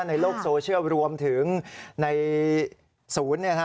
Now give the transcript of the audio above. ในโลกโซเชียลรวมถึงในศูนย์